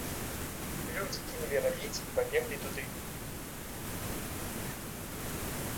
Людзі кінулі рабіць і пабеглі туды.